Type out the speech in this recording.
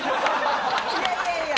いやいやいや。